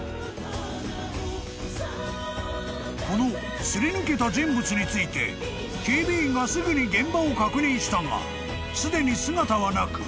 ［この擦り抜けた人物について警備員がすぐに現場を確認したがすでに姿がなく］